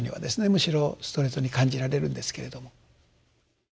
むしろストレートに感じられるんですけれども。